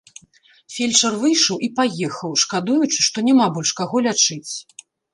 Фельчар выйшаў і паехаў, шкадуючы, што няма больш каго лячыць.